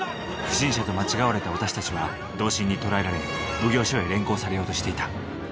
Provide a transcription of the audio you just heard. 不審者と間違われた私たちは同心に捕らえられ奉行所へ連行されようとしていた。